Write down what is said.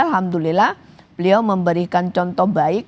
alhamdulillah beliau memberikan contoh baik